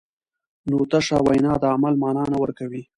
نو تشه وینا د عمل مانا نه ورکوي.